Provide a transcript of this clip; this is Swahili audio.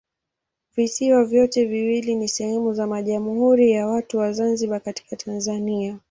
Visiwa vyote viwili ni sehemu za Jamhuri ya Watu wa Zanzibar katika Tanzania.